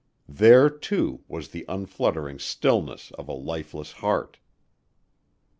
There, too, was the unfluttering stillness of a lifeless heart.